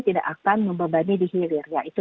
tidak akan membebani dihilir yaitu